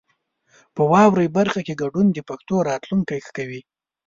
په واورئ برخه کې ګډون د پښتو راتلونکی ښه کوي.